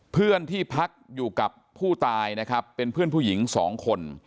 เพื่อนที่พักอยู่กับผู้ตายนะครับเป็นเพื่อนผู้หญิงสองคน